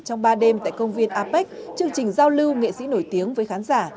trong ba đêm tại công viên apec chương trình giao lưu nghệ sĩ nổi tiếng với khán giả